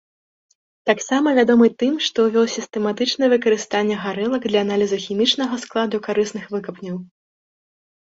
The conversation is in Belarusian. Таксама вядомы тым, што ўвёў сістэматычнае выкарыстанне гарэлак для аналізу хімічнага складу карысных выкапняў.